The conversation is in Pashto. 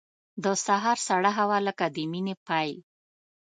د سهار سړه هوا لکه د مینې پیل.